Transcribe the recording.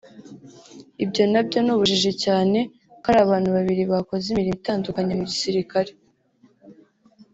ibyo nabyo ni ubujiji cyane ko ari abantu babiri bakoze imirimo itandukanye mu gisirikali